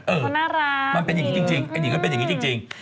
เออเป็นน่าร่ำมันเป็นอย่างนี้จริง